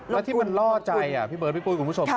แล้วที่มันล่อใจพี่เบิร์ดพี่ปุ้ยคุณผู้ชม